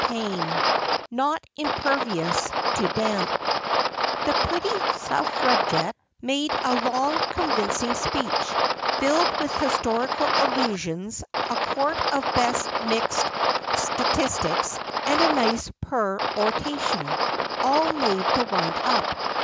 340 XX NOT IMPERVIOUS TO DAMP THE pretty suffragette made a long, convincing speech, filled with historical allusions, a quart of best mixed statistics, and a nice peroration, all made to wind up.